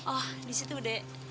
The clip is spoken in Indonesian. oh disitu dek